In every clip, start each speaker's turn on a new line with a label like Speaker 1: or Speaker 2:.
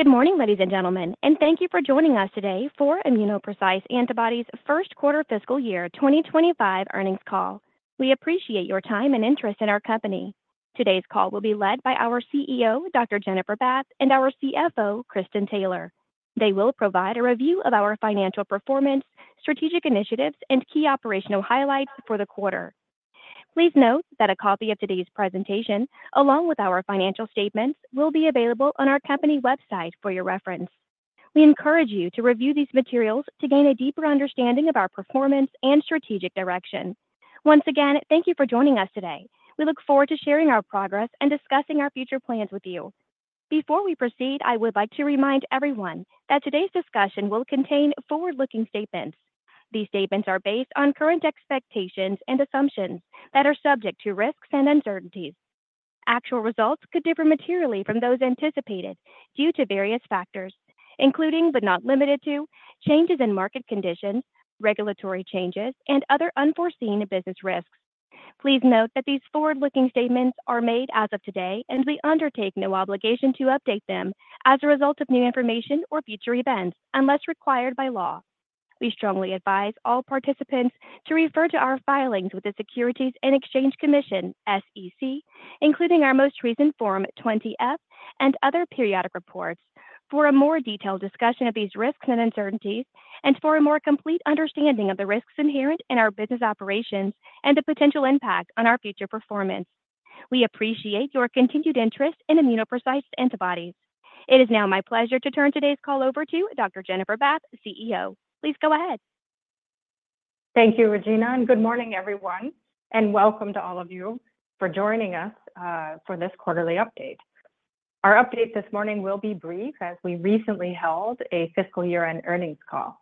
Speaker 1: Good morning, ladies and gentlemen, and thank you for joining us today for ImmunoPrecise Antibodies' first quarter fiscal year 2025 earnings call. We appreciate your time and interest in our company. Today's call will be led by our CEO, Dr. Jennifer Bath, and our CFO, Kristin Taylor. They will provide a review of our financial performance, strategic initiatives, and key operational highlights for the quarter. Please note that a copy of today's presentation, along with our financial statements, will be available on our company website for your reference. We encourage you to review these materials to gain a deeper understanding of our performance and strategic direction. Once again, thank you for joining us today. We look forward to sharing our progress and discussing our future plans with you. Before we proceed, I would like to remind everyone that today's discussion will contain forward-looking statements. These statements are based on current expectations and assumptions that are subject to risks and uncertainties. Actual results could differ materially from those anticipated due to various factors, including but not limited to, changes in market conditions, regulatory changes, and other unforeseen business risks. Please note that these forward-looking statements are made as of today, and we undertake no obligation to update them as a result of new information or future events, unless required by law. We strongly advise all participants to refer to our filings with the Securities and Exchange Commission, SEC, including our most recent Form 20-F and other periodic reports, for a more detailed discussion of these risks and uncertainties and for a more complete understanding of the risks inherent in our business operations and the potential impact on our future performance. We appreciate your continued interest in ImmunoPrecise Antibodies. It is now my pleasure to turn today's call over to Dr. Jennifer Bath, CEO. Please go ahead.
Speaker 2: Thank you, Regina, and good morning, everyone, and welcome to all of you for joining us for this quarterly update. Our update this morning will be brief, as we recently held a fiscal year-end earnings call.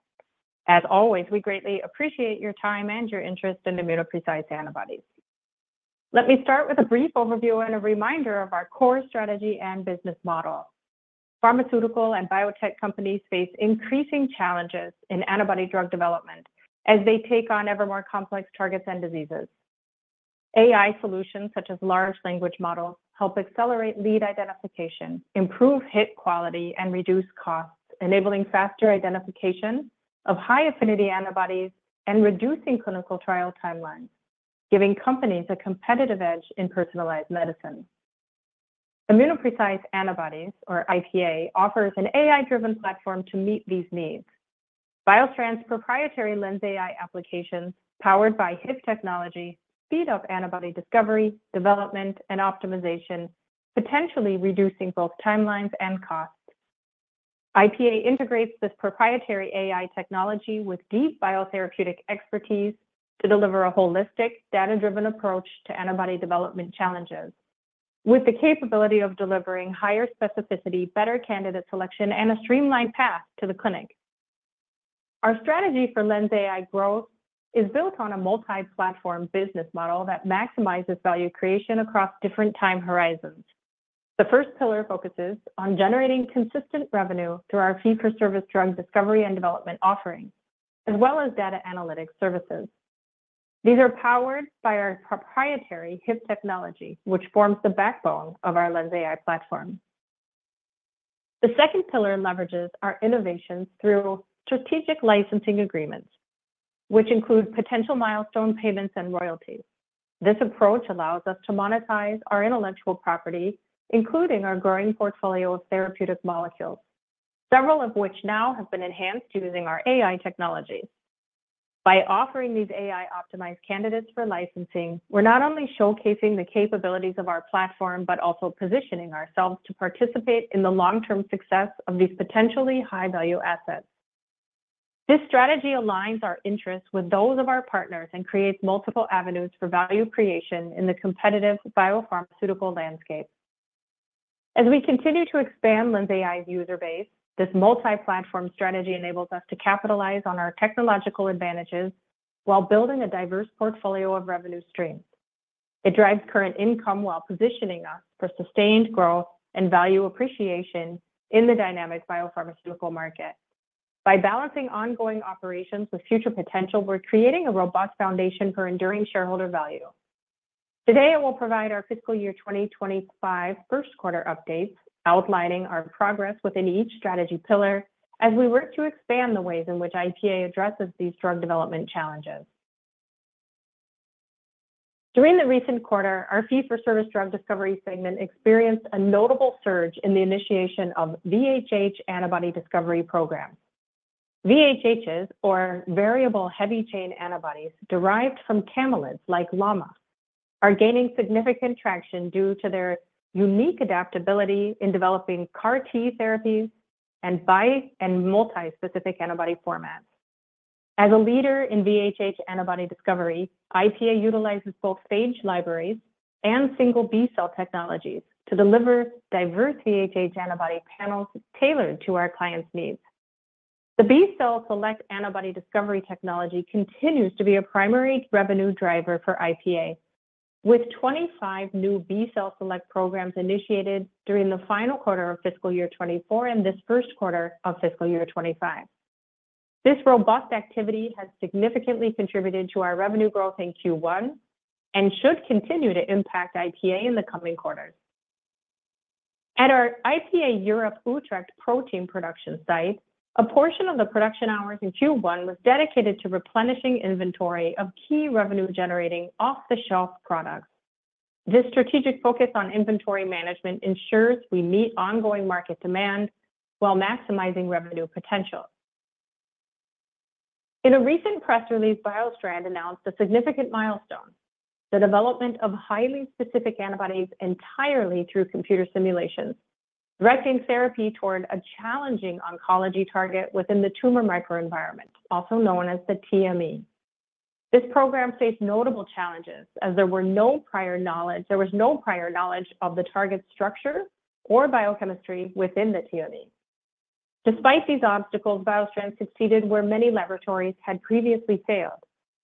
Speaker 2: As always, we greatly appreciate your time and your interest in ImmunoPrecise Antibodies. Let me start with a brief overview and a reminder of our core strategy and business model. Pharmaceutical and biotech companies face increasing challenges in antibody drug development as they take on ever more complex targets and diseases. AI solutions, such as large language models, help accelerate lead identification, improve hit quality, and reduce costs, enabling faster identification of high-affinity antibodies and reducing clinical trial timelines, giving companies a competitive edge in personalized medicine. ImmunoPrecise Antibodies, or IPA, offers an AI-driven platform to meet these needs. BioStrand's proprietary LENS.ai application, powered by HYFT technology, speed up antibody discovery, development, and optimization, potentially reducing both timelines and costs. IPA integrates this proprietary AI technology with deep biotherapeutic expertise to deliver a holistic, data-driven approach to antibody development challenges, with the capability of delivering higher specificity, better candidate selection, and a streamlined path to the clinic. Our strategy for LENS.ai growth is built on a multi-platform business model that maximizes value creation across different time horizons. The first pillar focuses on generating consistent revenue through our fee-for-service drug discovery and development offerings, as well as data analytics services. These are powered by our proprietary HYFT technology, which forms the backbone of our LENS.ai platform. The second pillar leverages our innovations through strategic licensing agreements, which include potential milestone payments and royalties. This approach allows us to monetize our intellectual property, including our growing portfolio of therapeutic molecules, several of which now have been enhanced using our AI technology. By offering these AI-optimized candidates for licensing, we're not only showcasing the capabilities of our platform, but also positioning ourselves to participate in the long-term success of these potentially high-value assets. This strategy aligns our interests with those of our partners and creates multiple avenues for value creation in the competitive biopharmaceutical landscape. As we continue to expand LENS.ai's user base, this multi-platform strategy enables us to capitalize on our technological advantages while building a diverse portfolio of revenue streams. It drives current income while positioning us for sustained growth and value appreciation in the dynamic biopharmaceutical market. By balancing ongoing operations with future potential, we're creating a robust foundation for enduring shareholder value. Today, I will provide our fiscal year twenty twenty-five first quarter updates, outlining our progress within each strategy pillar as we work to expand the ways in which IPA addresses these drug development challenges. During the recent quarter, our fee-for-service drug discovery segment experienced a notable surge in the initiation of VHH antibody discovery programs. VHHs, or variable heavy chain antibodies, derived from camelids like llama, are gaining significant traction due to their unique adaptability in developing CAR T therapies and bispecific and multi-specific antibody formats. As a leader in VHH antibody discovery, IPA utilizes both phage libraries and single B-cell technologies to deliver diverse VHH antibody panels tailored to our clients' needs. The B-Cell Select antibody discovery technology continues to be a primary revenue driver for IPA, with twenty-five new B-Cell Select programs initiated during the final quarter of fiscal year twenty-four and this first quarter of fiscal year twenty-five. This robust activity has significantly contributed to our revenue growth in Q1 and should continue to impact IPA in the coming quarters. At our IPA Europe Utrecht protein production site, a portion of the production hours in Q1 was dedicated to replenishing inventory of key revenue-generating off-the-shelf products. This strategic focus on inventory management ensures we meet ongoing market demand while maximizing revenue potential. In a recent press release, BioStrand announced a significant milestone, the development of highly specific antibodies entirely through computer simulations, directing therapy toward a challenging oncology target within the tumor microenvironment, also known as the TME. This program faced notable challenges, as there was no prior knowledge of the target's structure or biochemistry within the TME. Despite these obstacles, BioStrand succeeded where many laboratories had previously failed,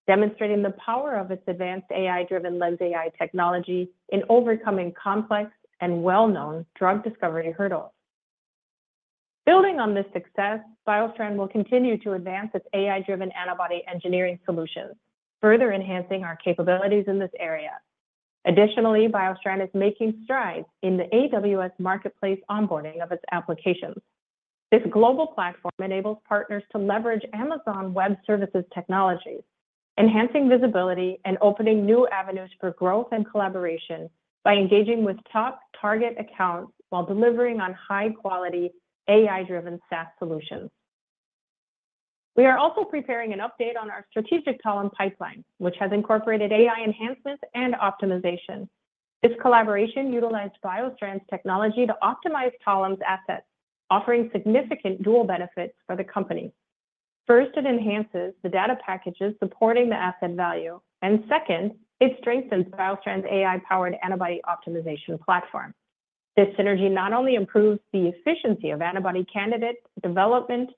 Speaker 2: demonstrating the power of its advanced AI-driven LENS.ai technology in overcoming complex and well-known drug discovery hurdles. Building on this success, BioStrand will continue to advance its AI-driven antibody engineering solutions, further enhancing our capabilities in this area. Additionally, BioStrand is making strides in the AWS Marketplace onboarding of its applications. This global platform enables partners to leverage Amazon Web Services technologies, enhancing visibility and opening new avenues for growth and collaboration by engaging with top target accounts while delivering on high-quality, AI-driven SaaS solutions. We are also preparing an update on our strategic Talem pipeline, which has incorporated AI enhancements and optimization. This collaboration utilized BioStrand's technology to optimize Talem's assets, offering significant dual benefits for the company. First, it enhances the data packages supporting the asset value, and second, it strengthens BioStrand's AI-powered antibody optimization platform. This synergy not only improves the efficiency of antibody candidate development,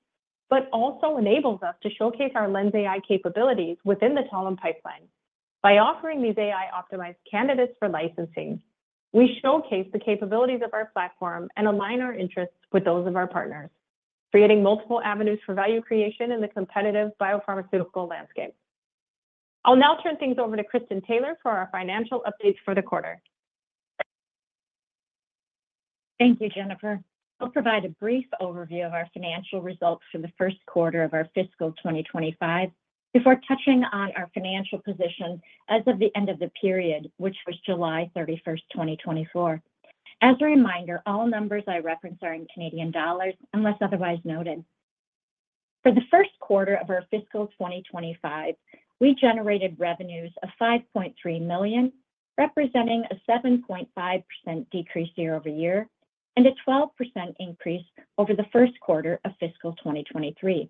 Speaker 2: but also enables us to showcase our LENS.ai capabilities within the Talem pipeline. By offering these AI-optimized candidates for licensing, we showcase the capabilities of our platform and align our interests with those of our partners, creating multiple avenues for value creation in the competitive biopharmaceutical landscape. I'll now turn things over to Kristin Taylor for our financial update for the quarter.
Speaker 3: Thank you, Jennifer. I'll provide a brief overview of our financial results for the first quarter of our fiscal 2025 before touching on our financial position as of the end of the period, which was July thirty-first, 2024. As a reminder, all numbers I reference are in Canadian dollars, unless otherwise noted. For the first quarter of our fiscal 2025, we generated revenues of 5.3 million, representing a 7.5% decrease year over year and a 12% increase over the first quarter of fiscal 2023.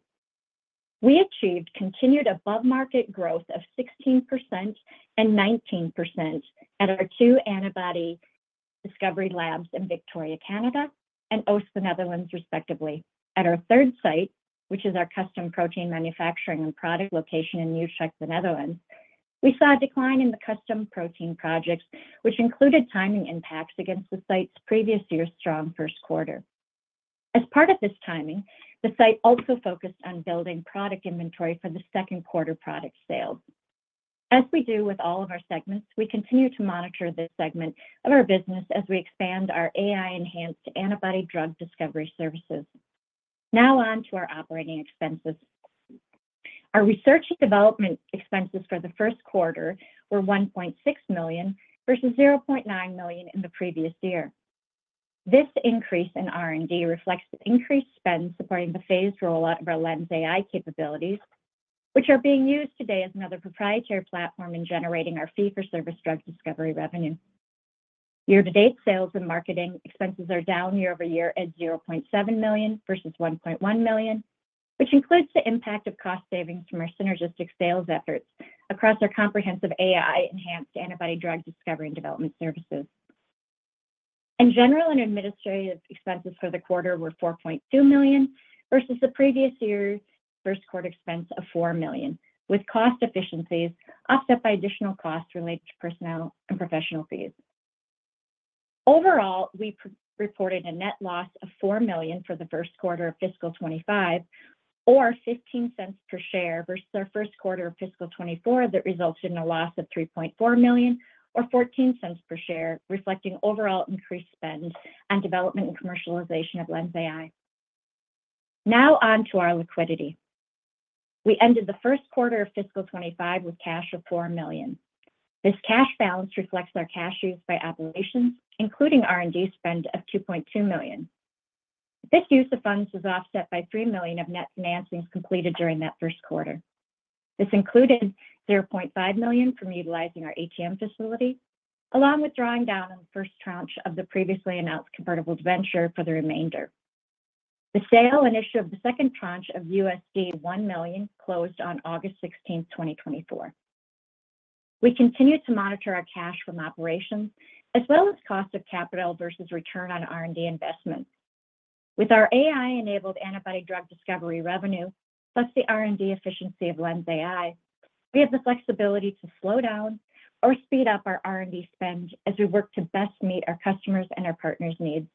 Speaker 3: We achieved continued above-market growth of 16% and 19% at our two antibody discovery labs in Victoria, Canada, and Oss, Netherlands, respectively. At our third site, which is our custom protein manufacturing and product location in Utrecht, the Netherlands, we saw a decline in the custom protein projects, which included timing impacts against the site's previous year's strong first quarter. As part of this timing, the site also focused on building product inventory for the second quarter product sales. As we do with all of our segments, we continue to monitor this segment of our business as we expand our AI-enhanced antibody drug discovery services. Now on to our operating expenses. Our research and development expenses for the first quarter were 1.6 million versus 0.9 million in the previous year. This increase in R&D reflects the increased spend supporting the phased rollout of our LENS.ai capabilities, which are being used today as another proprietary platform in generating our fee-for-service drug discovery revenue. Year-to-date sales and marketing expenses are down year over year at 0.7 million versus 1.1 million, which includes the impact of cost savings from our synergistic sales efforts across our comprehensive AI-enhanced antibody drug discovery and development services. General and administrative expenses for the quarter were 4.2 million versus the previous year's first quarter expense of 4 million, with cost efficiencies offset by additional costs related to personnel and professional fees. Overall, we reported a net loss of 4 million for the first quarter of fiscal 2025 or 0.15 per share versus our first quarter of fiscal 2024 that resulted in a loss of 3.4 million or 0.14 per share, reflecting overall increased spend on development and commercialization of LENS.ai. Now on to our liquidity. We ended the first quarter of fiscal 2025 with cash of 4 million. This cash balance reflects our cash use by operations, including R&D spend of 2.2 million. This use of funds was offset by 3 million of net financings completed during that first quarter. This included 0.5 million from utilizing our ATM facility, along with drawing down on the first tranche of the previously announced convertible debenture for the remainder. The sale and issue of the second tranche of $1 million closed on August sixteenth, 2024. We continue to monitor our cash from operations, as well as cost of capital versus return on R&D investment. With our AI-enabled antibody drug discovery revenue, plus the R&D efficiency of LENS.ai, we have the flexibility to slow down or speed up our R&D spend as we work to best meet our customers' and our partners' needs.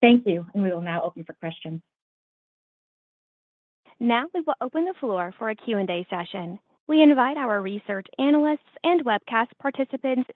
Speaker 3: Thank you, and we will now open for questions.
Speaker 1: Now we will open the floor for a Q&A session. We invite our research analysts and webcast participants.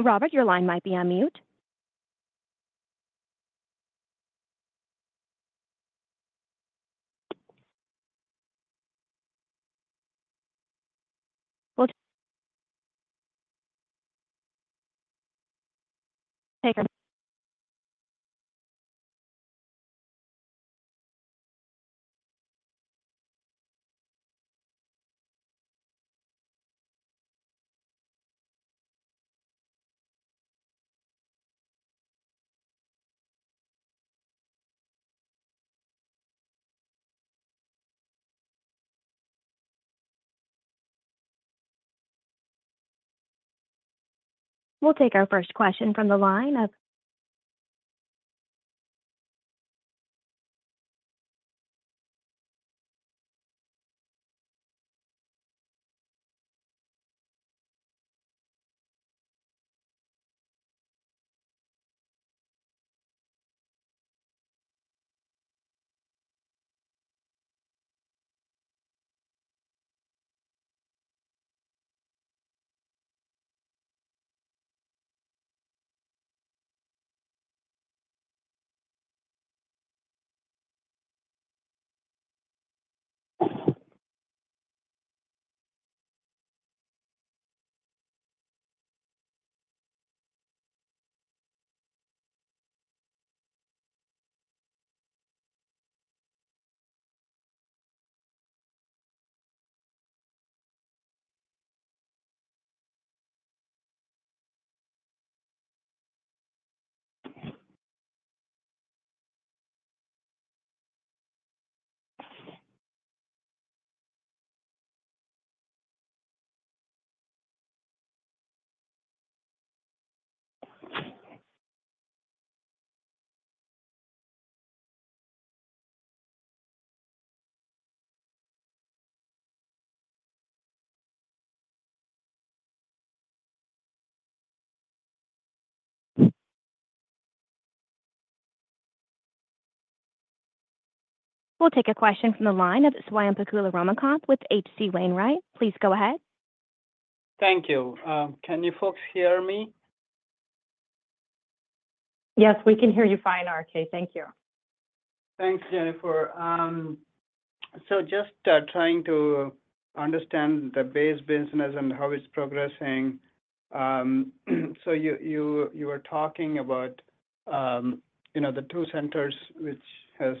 Speaker 1: Robert, your line might be on mute. We'll take our first question from the line of... We'll take a question from the line of Swayampakula Ramakanth with H.C. Wainwright. Please go ahead.
Speaker 4: Thank you. Can you folks hear me?
Speaker 2: Yes, we can hear you fine, RK. Thank you.
Speaker 4: Thanks, Jennifer. So just trying to understand the base business and how it's progressing. So you were talking about, you know, the two centers, which has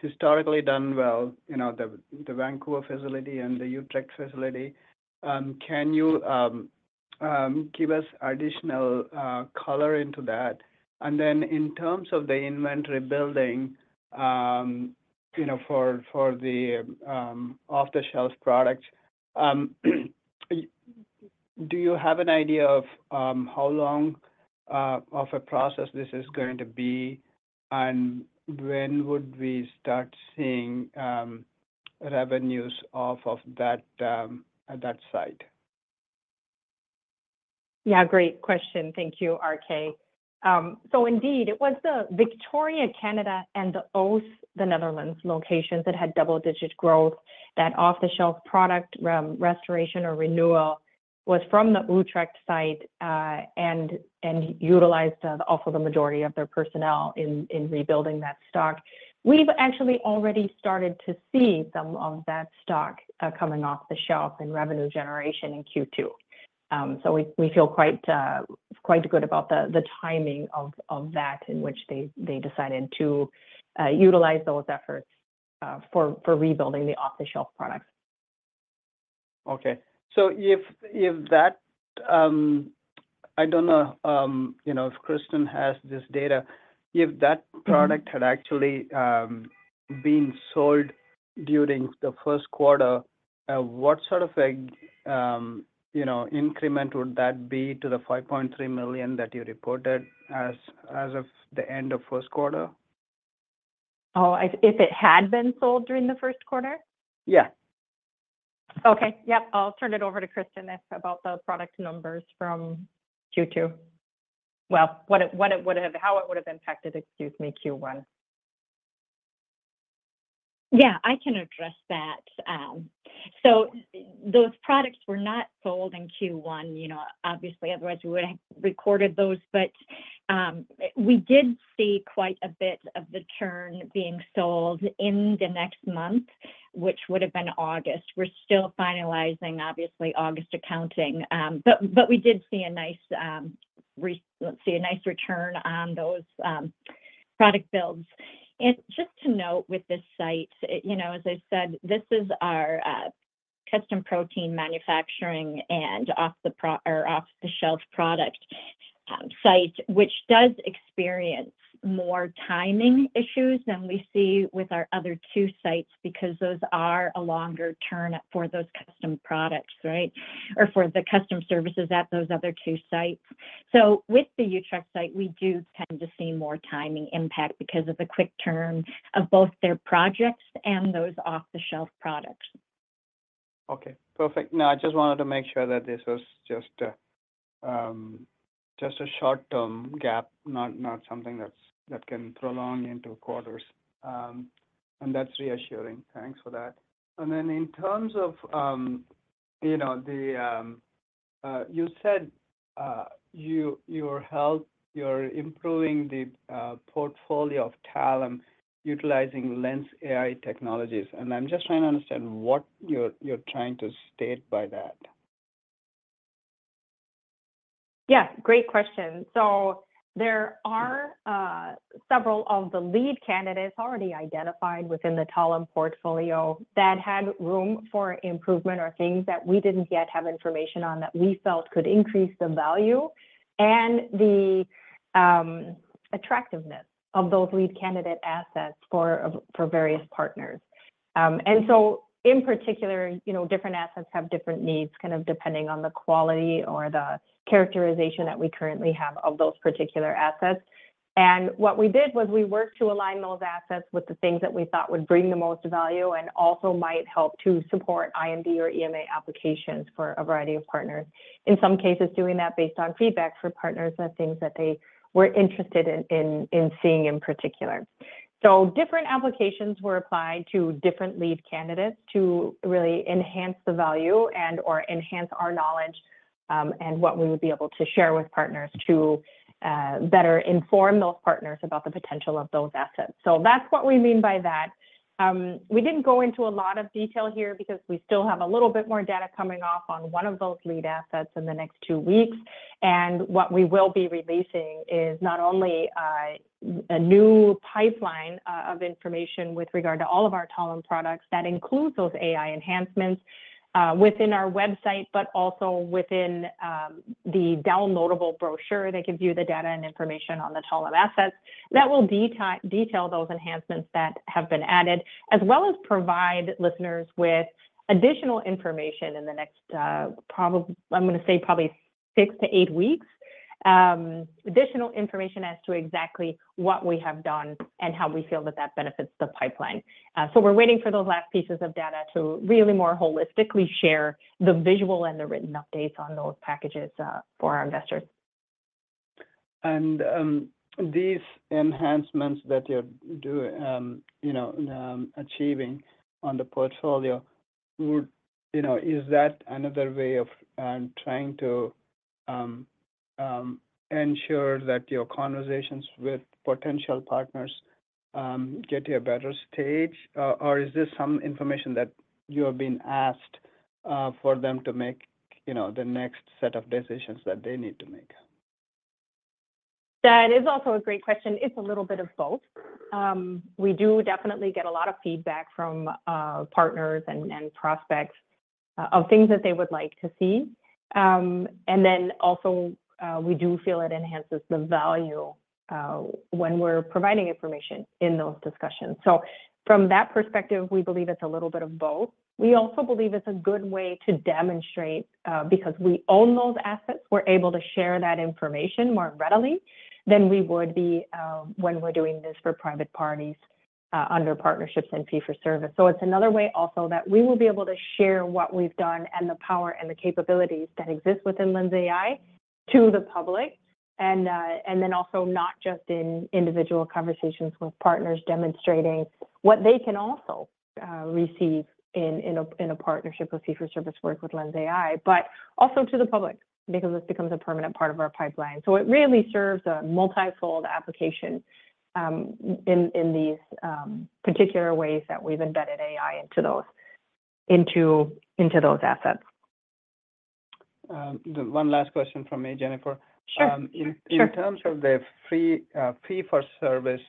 Speaker 4: historically done well, you know, the Victoria facility and the Utrecht facility. Can you give us additional color into that? And then in terms of the inventory building, you know, for the off-the-shelf products, do you have an idea of how long of a process this is going to be, and when would we start seeing revenues off of that site?
Speaker 2: Yeah, great question. Thank you, RK. So indeed, it was the Victoria, Canada, and the Oss, the Netherlands locations that had double-digit growth. That off-the-shelf product restoration or renewal was from the Utrecht site, and utilized also the majority of their personnel in rebuilding that stock. We've actually already started to see some of that stock coming off the shelf in revenue generation in Q2. So we feel quite good about the timing of that in which they decided to utilize those efforts for rebuilding the off-the-shelf products.
Speaker 4: Okay. So if that, I don't know, you know, if Kristen has this data, if that product had actually been sold during the first quarter, what sort of like, you know, increment would that be to the 5.3 million that you reported as of the end of first quarter?
Speaker 2: Oh, if it had been sold during the first quarter?
Speaker 4: Yeah.
Speaker 2: Okay. Yep. I'll turn it over to Kristen about the product numbers from Q2. Well, what it would have, how it would have impacted, excuse me, Q1.
Speaker 3: Yeah, I can address that. So those products were not sold in Q1, you know, obviously, otherwise, we would have recorded those. But, we did see quite a bit of the churn being sold in the next month, which would have been August. We're still finalizing, obviously, August accounting. But, but we did see a nice, see a nice return on those, product builds. And just to note with this site, you know, as I said, this is our, custom protein manufacturing and off-the-shelf product site, which does experience more timing issues than we see with our other two sites, because those are a longer turn for those custom products, right? Or for the custom services at those other two sites. So with the Utrecht site, we do tend to see more timing impact because of the quick turn of both their projects and those off-the-shelf products.
Speaker 4: Okay, perfect. No, I just wanted to make sure that this was just a short-term gap, not something that can prolong into quarters. And that's reassuring. Thanks for that. And then in terms of, you know, you said you're improving the portfolio of Talem utilizing LENS.ai technologies, and I'm just trying to understand what you're trying to state by that.
Speaker 2: Yeah, great question. So there are several of the lead candidates already identified within the Talem portfolio that had room for improvement, or things that we didn't yet have information on that we felt could increase the value and the attractiveness of those lead candidate assets for various partners. And so in particular, you know, different assets have different needs, kind of depending on the quality or the characterization that we currently have of those particular assets. And what we did was we worked to align those assets with the things that we thought would bring the most value, and also might help to support IND or EMA applications for a variety of partners. In some cases, doing that based on feedback for partners and things that they were interested in seeing in particular. So different applications were applied to different lead candidates to really enhance the value and/or enhance our knowledge, and what we would be able to share with partners to better inform those partners about the potential of those assets. So that's what we mean by that. We didn't go into a lot of detail here, because we still have a little bit more data coming off on one of those lead assets in the next two weeks. And what we will be releasing is not only a new pipeline of information with regard to all of our Talem products that includes those AI enhancements within our website, but also within the downloadable brochure that gives you the data and information on the Talem assets. That will detail those enhancements that have been added, as well as provide listeners with additional information in the next, probably, I'm gonna say probably six to eight weeks. Additional information as to exactly what we have done and how we feel that that benefits the pipeline. So we're waiting for those last pieces of data to really more holistically share the visual and the written updates on those packages, for our investors.
Speaker 4: And, these enhancements that you're doing, you know, achieving on the portfolio. You know, is that another way of trying to ensure that your conversations with potential partners get to a better stage? Or is this some information that you have been asked for them to make, you know, the next set of decisions that they need to make?
Speaker 2: That is also a great question. It's a little bit of both. We do definitely get a lot of feedback from partners and prospects of things that they would like to see. And then also we do feel it enhances the value when we're providing information in those discussions. So from that perspective, we believe it's a little bit of both. We also believe it's a good way to demonstrate because we own those assets, we're able to share that information more readily than we would be when we're doing this for private parties under partnerships and fee for service. So it's another way also that we will be able to share what we've done and the power and the capabilities that exist within LENS.ai to the public. Then also, not just in individual conversations with partners, demonstrating what they can also receive in a partnership with fee for service work with LENS.ai, but also to the public, because this becomes a permanent part of our pipeline. It really serves a multifold application in these particular ways that we've embedded AI into those assets.
Speaker 4: One last question from me, Jennifer.
Speaker 2: Sure.
Speaker 4: Um, in-
Speaker 2: Sure...
Speaker 4: in terms of the fee-for-service,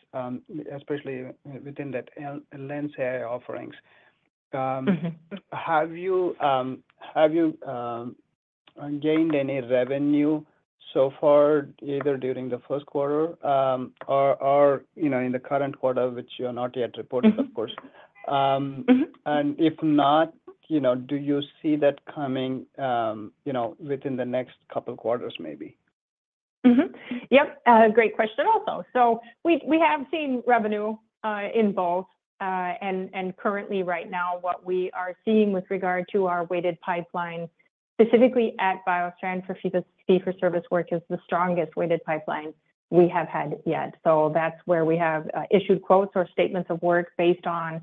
Speaker 4: especially within that LENS.ai offerings.
Speaker 2: Mm-hmm...
Speaker 4: have you gained any revenue so far, either during the first quarter, or you know, in the current quarter, which you have not yet reported, of course?
Speaker 2: Mm-hmm.
Speaker 4: Um-
Speaker 2: Mm-hmm...
Speaker 4: and if not, you know, do you see that coming, you know, within the next couple quarters, maybe?
Speaker 2: Mm-hmm. Yep, great question also. So we have seen revenue in both and currently right now, what we are seeing with regard to our weighted pipeline, specifically at BioStrand for fee for service work, is the strongest weighted pipeline we have had yet. So that's where we have issued quotes or statements of work based on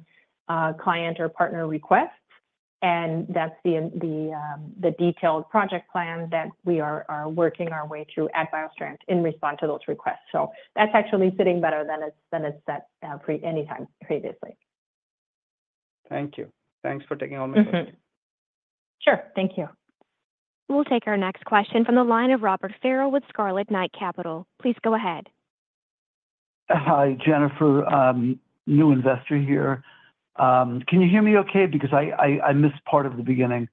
Speaker 2: client or partner requests, and that's the detailed project plan that we are working our way through at BioStrand in response to those requests. So that's actually sitting better than it's sat previously, anytime previously.
Speaker 4: Thank you. Thanks for taking all my questions.
Speaker 2: Mm-hmm. Sure. Thank you.
Speaker 1: We'll take our next question from the line of Robert Farrell with Scarlet Night Capital. Please go ahead....
Speaker 5: Hi, Jennifer. New investor here. Can you hear me okay? Because I missed part of the beginning.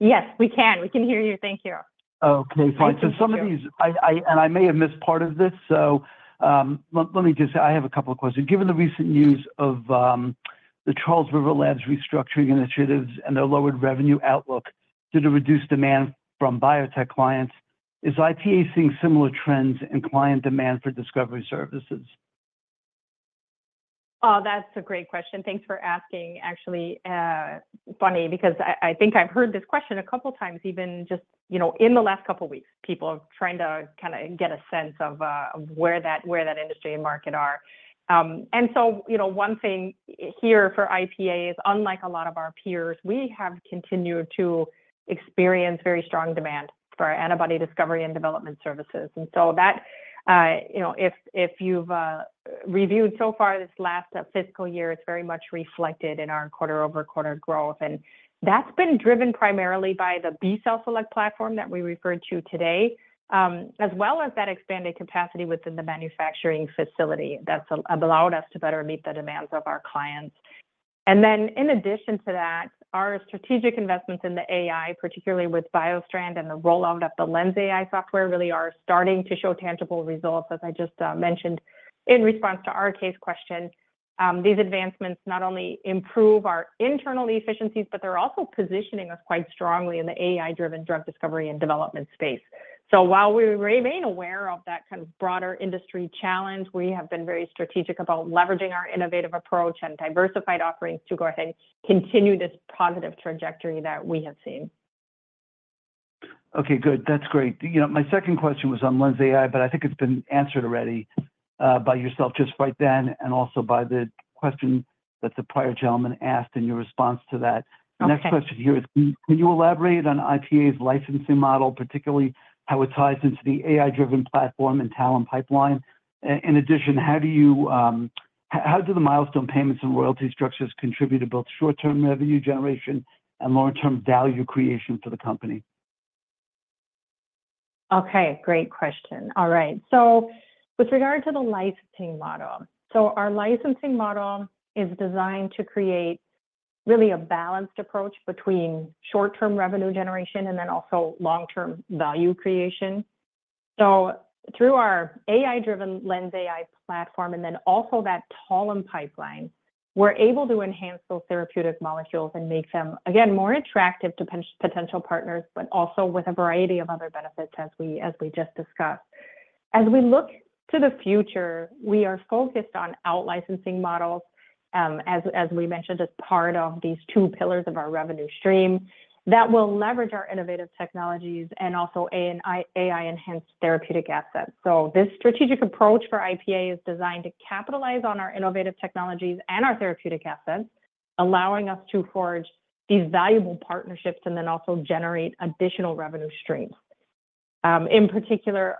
Speaker 2: Yes, we can. We can hear you. Thank you.
Speaker 5: Okay, fine. So some of these, I may have missed part of this, so, let me just... I have a couple of questions. Given the recent news of the Charles River Laboratories restructuring initiatives and their lowered revenue outlook due to reduced demand from biotech clients, is IPA seeing similar trends in client demand for discovery services?
Speaker 2: Oh, that's a great question. Thanks for asking. Actually, funny, because I think I've heard this question a couple times, even just, you know, in the last couple weeks, people trying to kinda get a sense of where that industry and market are. And so, you know, one thing here for IPA is, unlike a lot of our peers, we have continued to experience very strong demand for our antibody discovery and development services. And so that, you know, if you've reviewed so far this last fiscal year, it's very much reflected in our quarter over quarter growth. And that's been driven primarily by the B-Cell Select platform that we referred to today, as well as that expanded capacity within the manufacturing facility that's allowed us to better meet the demands of our clients. In addition to that, our strategic investments in the AI, particularly with BioStrand and the rollout of the LENS.ai software, really are starting to show tangible results, as I just mentioned in response to our case question. These advancements not only improve our internal efficiencies, but they're also positioning us quite strongly in the AI-driven drug discovery and development space. While we remain aware of that kind of broader industry challenge, we have been very strategic about leveraging our innovative approach and diversified offerings to go ahead and continue this positive trajectory that we have seen.
Speaker 5: Okay, good. That's great. You know, my second question was on LENS.ai, but I think it's been answered already by yourself just right then, and also by the question that the prior gentleman asked and your response to that.
Speaker 2: Okay.
Speaker 5: The next question here is, can you elaborate on IPA's licensing model, particularly how it ties into the AI-driven platform and talent pipeline? In addition, how do the milestone payments and royalty structures contribute to both short-term revenue generation and long-term value creation for the company?
Speaker 2: Okay, great question. All right. So with regard to the licensing model, so our licensing model is designed to create really a balanced approach between short-term revenue generation and then also long-term value creation. So through our AI-driven LENS.ai platform and then also that Talem pipeline, we're able to enhance those therapeutic molecules and make them, again, more attractive to potential partners, but also with a variety of other benefits, as we just discussed. As we look to the future, we are focused on out-licensing models, as we mentioned, as part of these two pillars of our revenue stream, that will leverage our innovative technologies and also AI-enhanced therapeutic assets. So this strategic approach for IPA is designed to capitalize on our innovative technologies and our therapeutic assets, allowing us to forge these valuable partnerships and then also generate additional revenue streams. In particular,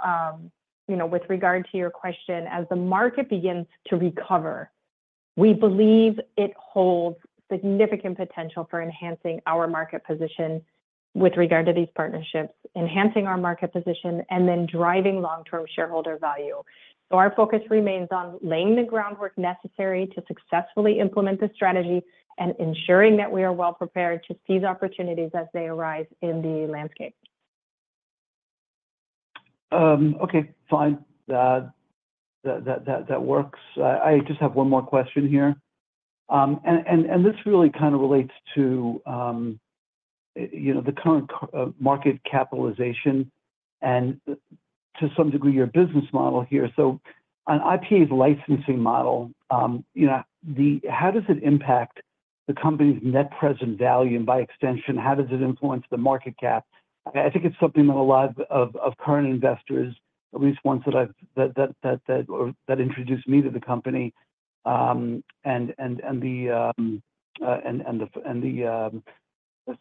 Speaker 2: you know, with regard to your question, as the market begins to recover, we believe it holds significant potential for enhancing our market position with regard to these partnerships, and then driving long-term shareholder value. So our focus remains on laying the groundwork necessary to successfully implement this strategy and ensuring that we are well prepared to seize opportunities as they arise in the landscape.
Speaker 5: Okay, fine. That works. I just have one more question here. This really kind of relates to, you know, the current market capitalization and to some degree, your business model here. So on IPA's licensing model, you know, how does it impact the company's net present value, and by extension, how does it influence the market cap? I think it's something that a lot of current investors, at least ones that I've or that introduced me to the company, and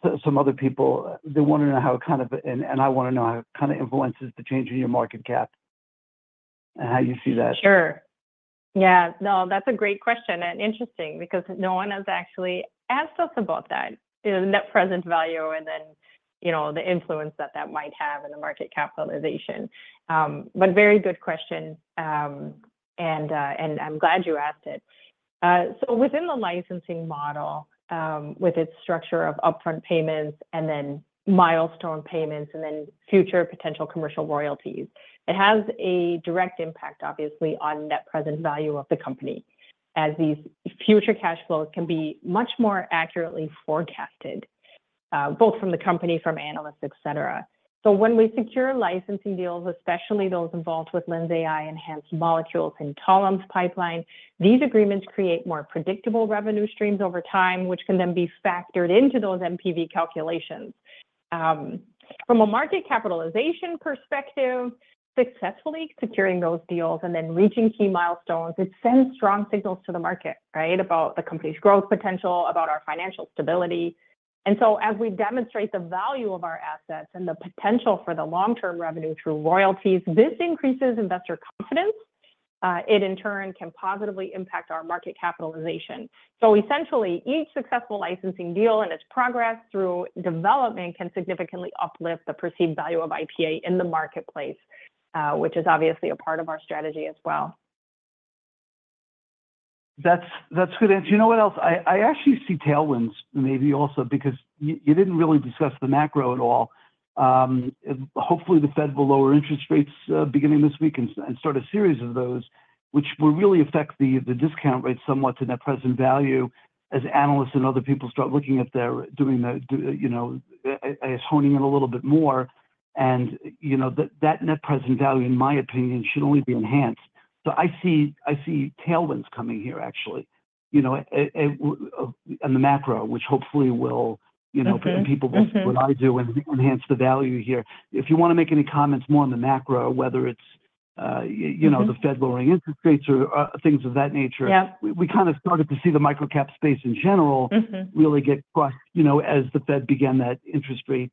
Speaker 5: so some other people, they wanna know how it kind of... I wanna know how it kind of influences the change in your market cap and how you see that.
Speaker 2: Sure. Yeah, no, that's a great question, and interesting because no one has actually asked us about that. You know, net present value and then, you know, the influence that that might have in the market capitalization, but very good question, and I'm glad you asked it, so within the licensing model, with its structure of upfront payments and then milestone payments and then future potential commercial royalties, it has a direct impact, obviously, on net present value of the company, as these future cash flows can be much more accurately forecasted, both from the company, from analysts, et cetera, so when we secure licensing deals, especially those involved with LENS.ai-enhanced molecules in Talem's pipeline, these agreements create more predictable revenue streams over time, which can then be factored into those NPV calculations. From a market capitalization perspective, successfully securing those deals and then reaching key milestones, it sends strong signals to the market, right, about the company's growth potential, about our financial stability, and so as we demonstrate the value of our assets and the potential for the long-term revenue through royalties, this increases investor confidence. It, in turn, can positively impact our market capitalization, so essentially, each successful licensing deal and its progress through development can significantly uplift the perceived value of IPA in the marketplace, which is obviously a part of our strategy as well. ...
Speaker 5: That's a good answer. You know what else? I actually see tailwinds maybe also, because you didn't really discuss the macro at all. Hopefully, the Fed will lower interest rates beginning this week and start a series of those, which will really affect the discount rate somewhat to net present value, as analysts and other people start looking at, you know, honing in a little bit more, and you know, that net present value, in my opinion, should only be enhanced, so I see tailwinds coming here, actually. You know, on the macro, which hopefully will, you know-
Speaker 2: Mm-hmm, mm-hmm...
Speaker 5: people what I do and enhance the value here. If you wanna make any comments more on the macro, whether it's, you know-
Speaker 2: Mm-hmm...
Speaker 5: the Fed lowering interest rates or, things of that nature.
Speaker 2: Yeah.
Speaker 5: We kind of started to see the microcap space in general-
Speaker 2: Mm-hmm...
Speaker 5: really get crushed, you know, as the Fed began that interest rate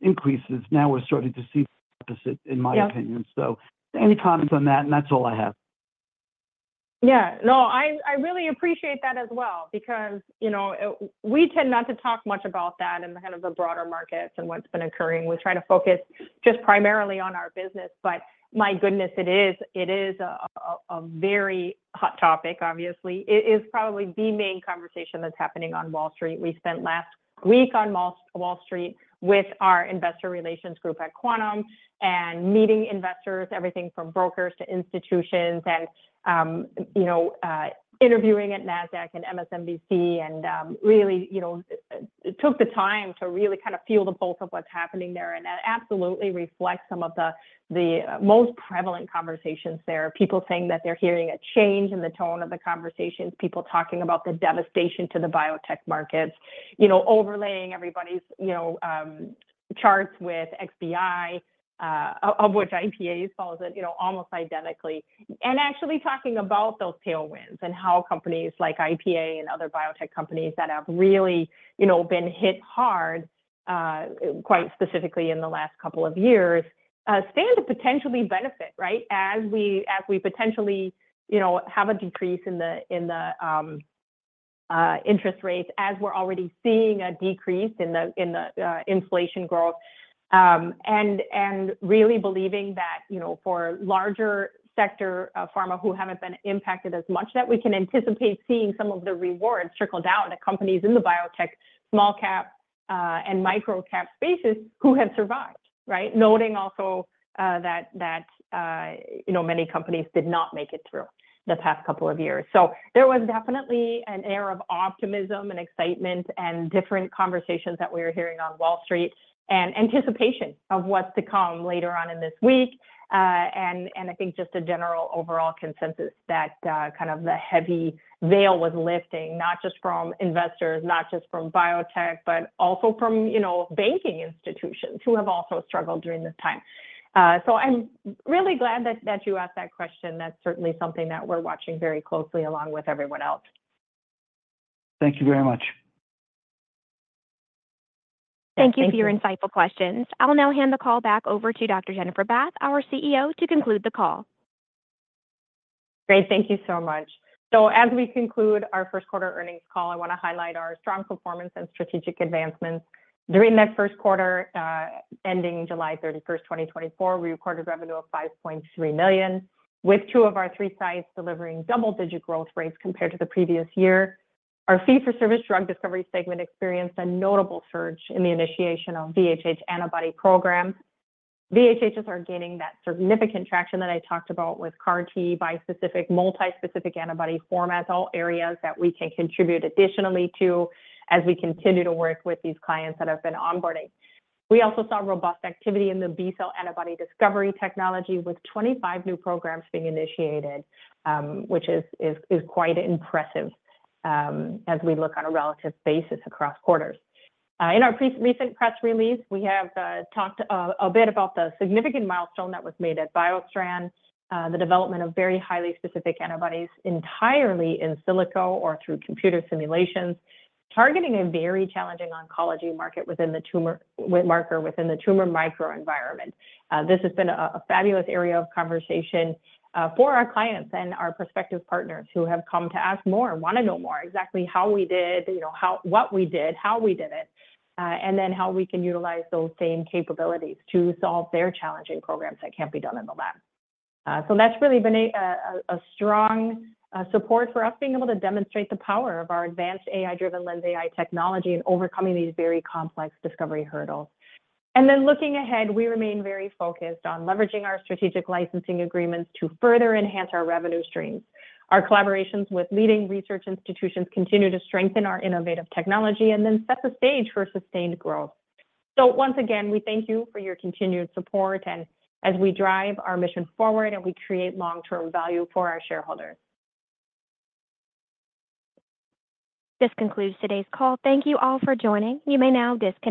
Speaker 5: increases. Now we're starting to see the opposite, in my opinion.
Speaker 2: Yeah.
Speaker 5: So any comments on that? And that's all I have.
Speaker 2: Yeah. No, I really appreciate that as well because, you know, we tend not to talk much about that in the kind of the broader markets and what's been occurring. We try to focus just primarily on our business, but my goodness, it is a very hot topic, obviously. It is probably the main conversation that's happening on Wall Street. We spent last week on Wall Street with our investor relations group at Quantum, and meeting investors, everything from brokers to institutions, and, you know, interviewing at NASDAQ and MSNBC and, really, you know, took the time to really kind of feel the pulse of what's happening there, and that absolutely reflects some of the most prevalent conversations there. People saying that they're hearing a change in the tone of the conversations, people talking about the devastation to the biotech markets. You know, overlaying everybody's, you know, charts with XBI, of which IPA follows it, you know, almost identically, and actually, talking about those tailwinds and how companies like IPA and other biotech companies that have really, you know, been hit hard, quite specifically in the last couple of years, stand to potentially benefit, right? As we potentially, you know, have a decrease in the interest rates, as we're already seeing a decrease in the inflation growth. And really believing that, you know, for larger sector, pharma who haven't been impacted as much, that we can anticipate seeing some of the rewards trickle down to companies in the biotech, small cap, and microcap spaces who have survived, right? Noting also that you know, many companies did not make it through the past couple of years. So there was definitely an air of optimism and excitement and different conversations that we were hearing on Wall Street, and anticipation of what's to come later on in this week. And I think just a general overall consensus that kind of the heavy veil was lifting, not just from investors, not just from biotech, but also from, you know, banking institutions who have also struggled during this time. So I'm really glad that you asked that question. That's certainly something that we're watching very closely, along with everyone else.
Speaker 5: Thank you very much.
Speaker 1: Thank you for your insightful questions. I'll now hand the call back over to Dr. Jennifer Bath, our CEO, to conclude the call.
Speaker 2: Great, thank you so much. So as we conclude our first quarter earnings call, I wanna highlight our strong performance and strategic advancements. During that first quarter ending July thirty-first, twenty twenty-four, we recorded revenue of 5.3 million, with two of our three sites delivering double-digit growth rates compared to the previous year. Our fee-for-service drug discovery segment experienced a notable surge in the initiation of VHH antibody programs. VHHs are gaining that significant traction that I talked about with CAR T, bispecific, multispecific antibody formats, all areas that we can contribute additionally to, as we continue to work with these clients that have been onboarding. We also saw robust activity in the B-cell antibody discovery technology, with 25 new programs being initiated, which is quite impressive, as we look on a relative basis across quarters. In our recent press release, we have talked a bit about the significant milestone that was made at BioStrand, the development of very highly specific antibodies entirely in silico or through computer simulations, targeting a very challenging oncology market within the tumor marker within the tumor microenvironment. This has been a fabulous area of conversation for our clients and our prospective partners who have come to ask more and wanna know more, exactly how we did, you know, how, what we did, how we did it, and then how we can utilize those same capabilities to solve their challenging programs that can't be done in the lab. So that's really been a strong support for us, being able to demonstrate the power of our advanced AI-driven LENS.ai technology in overcoming these very complex discovery hurdles. And then, looking ahead, we remain very focused on leveraging our strategic licensing agreements to further enhance our revenue streams. Our collaborations with leading research institutions continue to strengthen our innovative technology and then set the stage for sustained growth. So once again, we thank you for your continued support, and as we drive our mission forward, and we create long-term value for our shareholders.
Speaker 1: This concludes today's call. Thank you all for joining. You may now disconnect.